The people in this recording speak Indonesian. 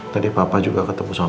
tadi papa juga ketemu sama nino